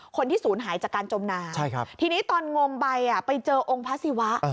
คนที่ศูนย์หายจากการจมน้ำทีนี้ตอนงมไปไปเจอองค์พระศิวะ